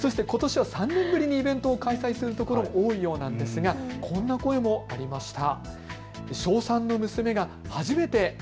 ことしは３年ぶりにイベントを開催するところ、多いようなんですがこんな声もありました。